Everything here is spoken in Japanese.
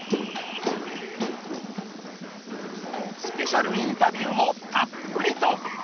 スペシャルインタビューもたっぷりと。